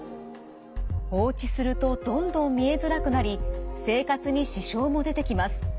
放置するとどんどん見えづらくなり生活に支障も出てきます。